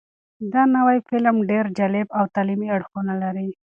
دا نوی فلم ډېر جالب او تعلیمي اړخونه لري.